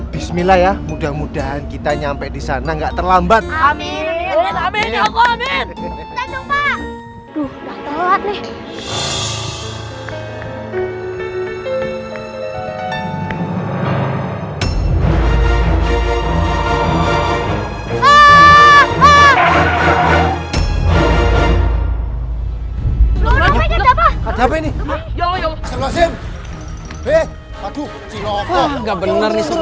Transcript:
bismillah ya mudah mudahan kita nyampe di sana enggak terlambat amin amin amin amin